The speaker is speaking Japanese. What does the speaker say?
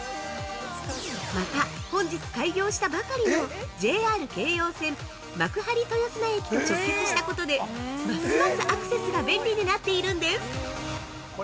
また、本日開業したばかりのＪＲ京葉線・幕張豊砂駅と直結したことでますますアクセスが便利になっているんです。